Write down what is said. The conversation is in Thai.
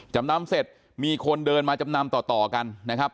จำนำเสร็จมีคนเดินมาจำนำต่อกันนะครับ